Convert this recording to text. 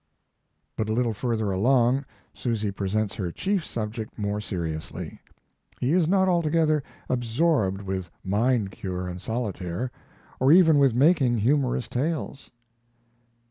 But a little further along Susy presents her chief subject more seriously. He is not altogether absorbed with "mind cure" and solitaire, or even with making humorous tales.